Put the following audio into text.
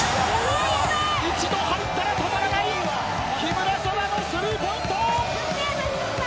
一度入ったら止まらない木村天のスリーポイント！